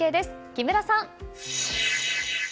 木村さん。